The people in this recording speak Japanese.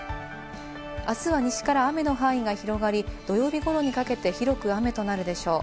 あすは雨の範囲が広がり、土曜日頃にかけて広く雨となるでしょう。